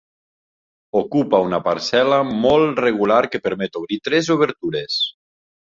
Ocupa una parcel·la molt regular que permet obrir tres obertures.